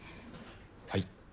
はい。